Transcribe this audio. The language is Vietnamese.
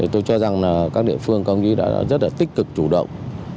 tôi cho rằng các địa phương đã rất tích cực chủ động